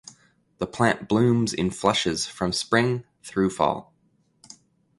The plant blooms in flushes from spring through fall.